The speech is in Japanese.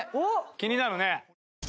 気になるね。